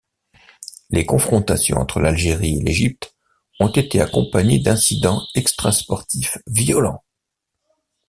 Les confrontations entre l'Algérie et l'Égypte ont été accompagnées d'incident extra-sportifs violents.